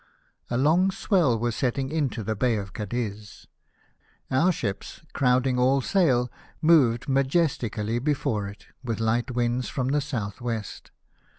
A long swell was setting into the Bay of Cadiz ; our ships, crowding all sail, moved majestically before it, with light winds from the south Avest.